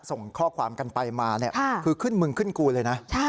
ส่งข้อความกันไปมาเนี่ยคือขึ้นมึงขึ้นกูเลยนะ